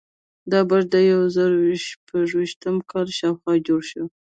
دا برج د یو زرو شپیتم کال شاوخوا جوړ شو.